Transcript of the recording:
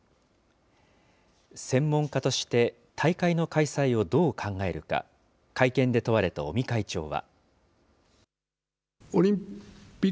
専門家として、大会の開催をどう考えるか、会見で問われた尾身会長は。